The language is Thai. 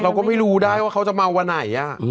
เราก็ไม่รู้ได้ว่าเขาจะเมาวันไหน